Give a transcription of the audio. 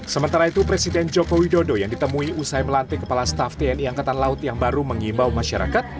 sementara itu presiden joko widodo yang ditemui usai melantik kepala staff tni angkatan laut yang baru mengimbau masyarakat